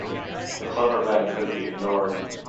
The clever men could be ignored.